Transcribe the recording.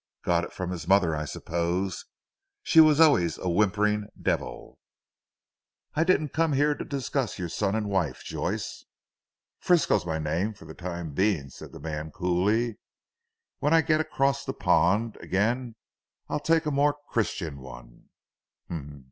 Got it from his mother I suppose, she was always a whimpering devil. "I didn't come here to discuss your son and wife Joyce " "Frisco's my name for the time being," said the man coolly, "when I get across the pond again I'll take to a more Christian one."